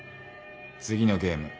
次のゲーム